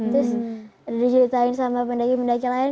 terus ada di ceritain sama pendaki pendaki lain